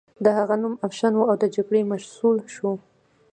د هغه نوم افشین و او د جګړې مسؤل شو.